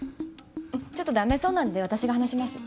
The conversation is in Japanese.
ちょっとダメそうなんで私が話します。